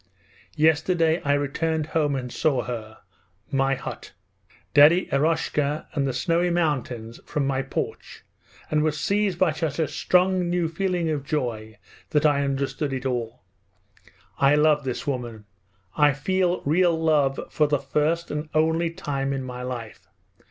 Yesterday I returned home and saw her, my hut. Daddy Eroshka, and the snowy mountains, from my porch, and was seized by such a strong, new feeling of joy that I understood it all. I love this woman; I feel real love for the first and only time in my life.